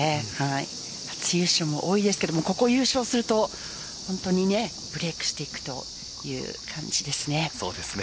初優勝も多いですけどここを優勝すると本当にブレイクしていくという感じですね。